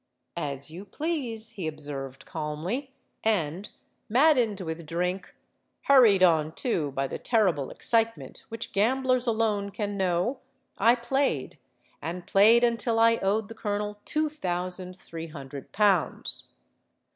'—'As you please,' he observed calmly; and, maddened with drink—hurried on, too, by the terrible excitement which gamblers alone can know, I played—and played until I owed the colonel two thousand three hundred pounds.